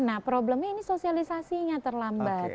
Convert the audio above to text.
nah problemnya ini sosialisasinya terlambat